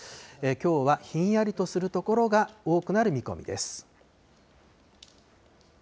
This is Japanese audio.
きょうはひんやりとする所が多くなる見込みです。